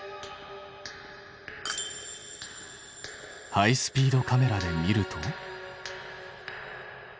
ハイスピードカメラで見ると。